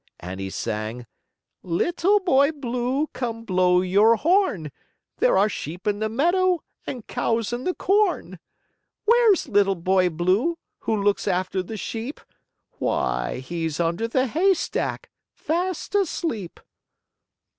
And he sang: "Little Boy Blue, come blow your horn, There are sheep in the meadow and cows in the corn. Where's Little Boy Blue, who looks after the sheep? Why he's under the hay stack, fast asleep.